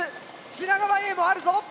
品川Ａもあるぞ。